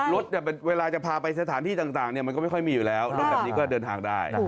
รถเวลาจะพาไปสถานที่ต่างมันก็ไม่ค่อยมีอยู่แล้วรถแบบนี้ก็เดินทางได้